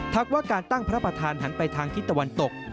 ว่าการตั้งพระประธานหันไปทางทิศตะวันตก